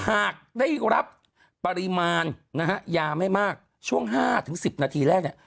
หากได้รับปริมาณนะฮะยามัยมากช่วงห้าถึงสิบนาทีแล้วเนี่ย